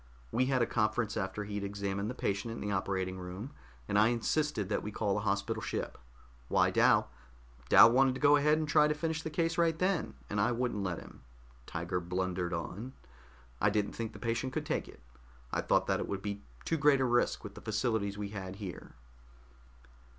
We had a conference after he'd examined the patient in the operating room, and I insisted that we call the hospital ship. Why, Dal Dal wanted to go ahead and try to finish the case right then, and I wouldn't let him," Tiger blundered on. "I didn't think the patient could take it. I thought that it would be too great a risk with the facilities we had here."